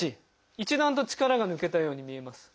一段と力が抜けたように見えます。